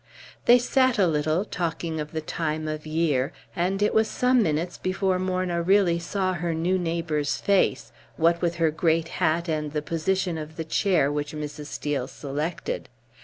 They sat a little, talking of the time of year; and it was some minutes before Morna really saw her new neighbor's face, what with her great hat and the position of the chair which Mrs. Steel selected.